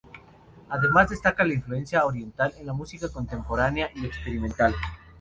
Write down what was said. Además, destaca la influencia oriental en la música contemporánea y experimental.